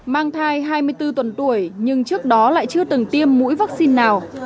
mang thai hai mươi bốn tuần tuổi nhưng trước đó lại chưa từng tiêm mũi vaccine nào